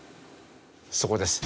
そこです。